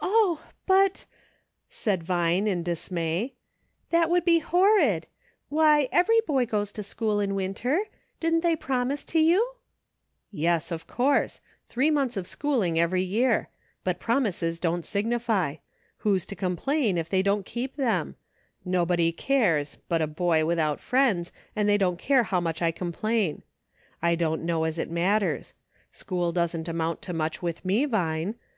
"Oh! but," said Vine, in dismay, "that would be horrid ! Why, every boy goes to school in winter. Didn't they promise to you ?"" Yes, of course • three months of schooling every year; but promises don't signify. Who's to complain, if th:;y don't keep them } Nobody cares — but a boy, without friends ; and they don't care how much I complain. I don't know as it matters. School doesn't amount to much with me. Vine.